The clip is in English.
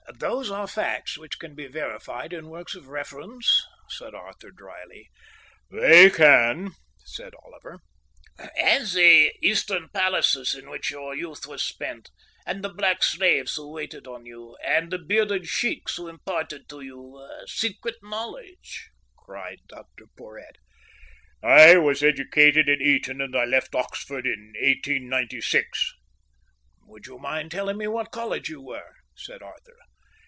"Those are facts which can be verified in works of reference," said Arthur dryly. "They can," said Oliver. "And the Eastern palaces in which your youth was spent, and the black slaves who waited on you, and the bearded sheikhs who imparted to you secret knowledge?" cried Dr Porhoët. "I was educated at Eton, and I left Oxford in 1896." "Would you mind telling me at what college you were?" said Arthur.